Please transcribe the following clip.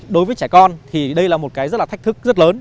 đối với trẻ con thì đây là một cái rất là thách thức rất lớn